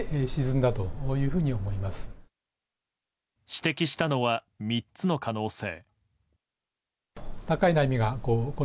指摘したのは３つの可能性。